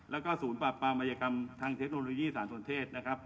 แล้วก็ศูนย์ปราบปรามัยกรรมทางเทคโนโลยีสถานส่วนเทศ